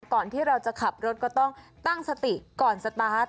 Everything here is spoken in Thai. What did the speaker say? ก่อนที่เราจะขับรถก็ต้องตั้งสติก่อนสตาร์ท